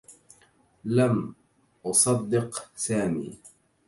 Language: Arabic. لم أُصدّق سامي.